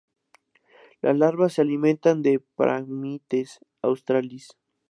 Las larvas se alimentan de "Phragmites australis".